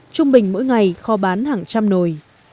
trung bình mỗi ngày kho bán hàng trăm nồi